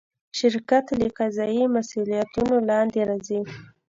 شرکت له قضایي مسوولیتونو لاندې راځي.